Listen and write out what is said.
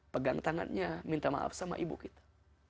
pegang tangannya minta maaf sama ibu kita